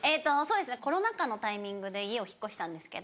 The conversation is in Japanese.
コロナ禍のタイミングで家を引っ越したんですけど。